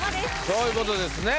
そういう事ですね。